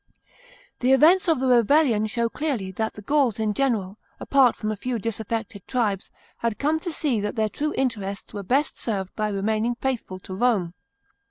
The events of the rebellion show clearly that the Gauls in general, apart from a few disaffected tribes, had come to see that their true interests were best served by remaining faithful to Rome.